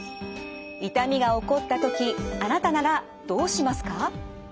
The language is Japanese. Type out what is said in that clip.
痛みが起こった時あなたならどうしますか？